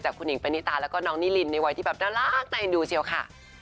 คุณหญิงปณิตาแล้วก็น้องนิลินในวัยที่แบบน่ารักใจเอ็นดูเชียวค่ะ